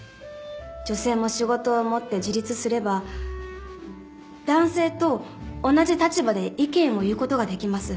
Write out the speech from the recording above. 女性も仕事を持って自立すれば男性と同じ立場で意見を言う事ができます。